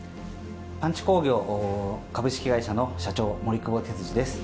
パンチ工業株式会社の社長森久保哲司です。